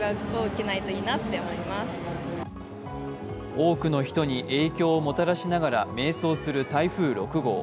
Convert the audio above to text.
多くの人に影響をもたらしながら迷走する台風６号。